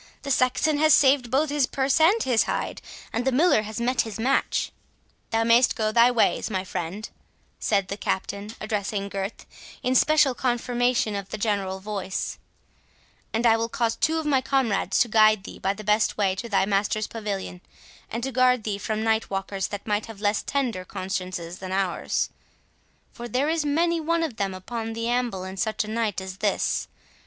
The Saxon hath saved both his purse and his hide, and the Miller has met his match." "Thou mayst go thy ways, my friend," said the Captain, addressing Gurth, in special confirmation of the general voice, "and I will cause two of my comrades to guide thee by the best way to thy master's pavilion, and to guard thee from night walkers that might have less tender consciences than ours; for there is many one of them upon the amble in such a night as this.